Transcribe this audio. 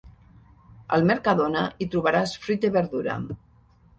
Al Mercadona hi trobaràs fruita i verdura.